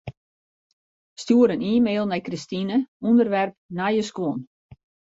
Stjoer in e-mail nei Kristine, ûnderwerp nije skuon.